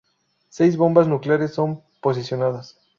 Seis bombas nucleares son posicionadas.